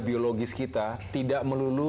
biologis kita tidak melulu